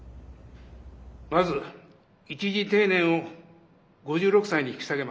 まず、一次定年を５６歳に引き下げます。